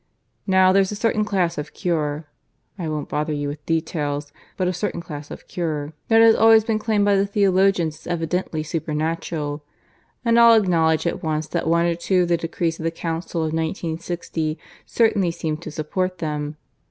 Now there's a certain class of cure (I won't bother you with details, but a certain class of cure) that has always been claimed by theologians as evidently supernatural. And I'll acknowledge at once that one or two of the decrees of the Council of 1960 certainly seem to support them.